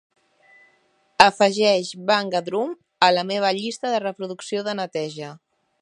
Afegeix "Bang a Drum" a la meva llista de reproducció de neteja.